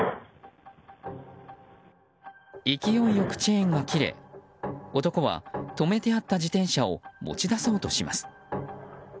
勢いよくチェーンが切れ男は止めてあった自転車を持ち出そうとします。